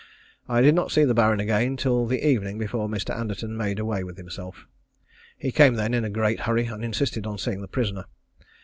I did not see the Baron again till the evening before Mr. Anderton made away with himself. He came then in a great hurry, and insisted on seeing the prisoner.